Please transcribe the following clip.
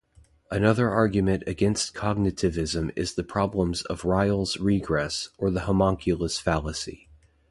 Another argument against cognitivism is the problems of Ryle's Regress or the homunculus fallacy.